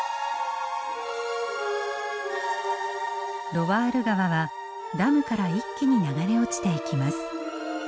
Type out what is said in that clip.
ロワール川はダムから一気に流れ落ちていきます。